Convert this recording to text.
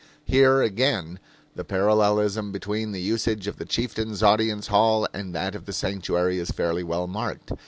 Here, again, the parallelism between the usage of the chieftain's audience hall and that of the sanctuary is fairly well marked.